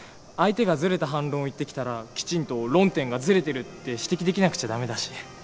相手がずれた反論を言ってきたらきちんと「論点がずれてる」って指摘できなくちゃ駄目だし。